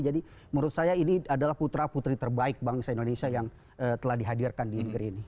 jadi menurut saya ini adalah putra putri terbaik bangsa indonesia yang telah dihadirkan di negeri ini